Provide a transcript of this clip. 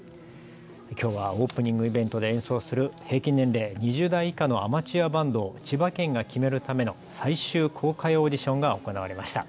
きょうはオープニングイベントで演奏する平均年齢２０代以下のアマチュアバンドを千葉県が決めるための最終公開オーディションが行われました。